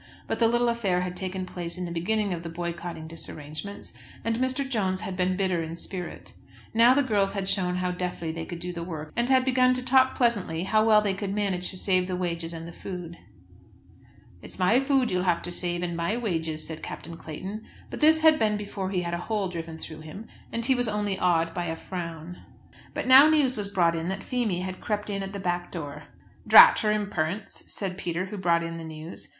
But the little affair had taken place in the beginning of the boycotting disarrangements, and Mr. Jones had been bitter in spirit. Now the girls had shown how deftly they could do the work, and had begun to talk pleasantly how well they could manage to save the wages and the food. "It's my food you'll have to save, and my wages," said Captain Clayton. But this had been before he had a hole driven through him, and he was only awed by a frown. But now news was brought in that Feemy had crept in at the back door. "Drat her imperence," said Peter, who brought in the news.